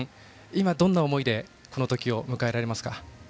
今、どんな思いでこの時を迎えられますか。